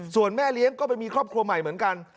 ส่วนแม่เลี้ยงก็ไปมีครอบครัวใหม่เหมือนกัน